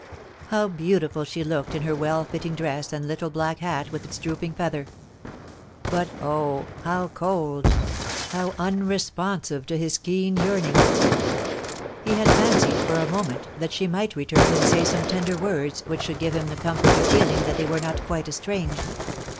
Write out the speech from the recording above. How beautiful she looked in her well fitting dress and little black hat with its drooping feather ; but oh ! how cold — how unresponsive to his keen yearning ! He had fancied for a moment that she might return and say some tender word which should give him the comfort of feeling that they were not quite estranged